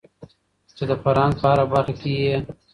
چې د فرهنګ په هره برخه کې يې